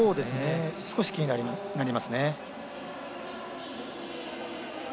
少し気になりますね。